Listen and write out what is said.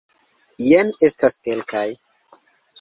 Jen estas kelkaj.